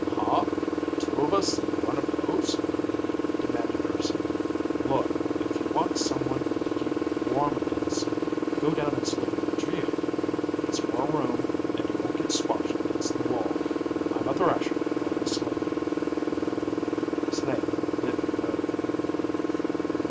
"Huh? Two of us in one of those?" demanded Urson. "Look, if you want someone to keep warm against, go down and sleep with Geo there. It's more room and you won't get squashed against the wall. I'm a thrasher when I sleep." Snake didn't move.